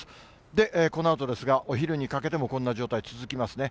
で、このあとですが、お昼にかけてもこんな状態続きますね。